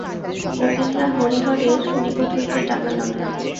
উকিলরা হরিহরের নিকট হইতে টাকা লন না।